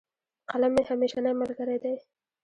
قلم مي همېشنی ملګری دی.